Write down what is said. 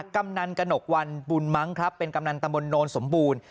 กำนันกระหนกวันบุญมั้งครับเป็นกำนันตะบนโนนสมบูรณ์